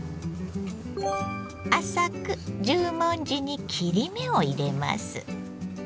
浅く十文字に切り目を入れます。